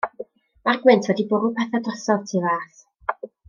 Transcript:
Ma'r gwynt wedi bwrw pethe drosodd tu fas.